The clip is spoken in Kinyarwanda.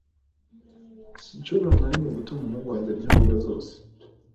Sinshobora na rimwe gutuma umuhungu wanjye arya imboga zose.